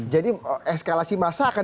jadi eskalasi masa akan